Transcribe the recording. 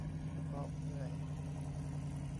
หอบเหนื่อย